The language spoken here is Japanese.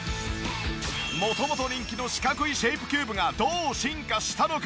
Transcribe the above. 元々人気の四角いシェイプキューブがどう進化したのか。